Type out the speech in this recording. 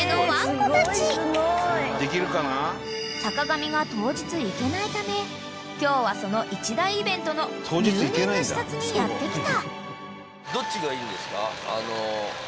［坂上が当日行けないため今日はその一大イベントの入念な視察にやって来た］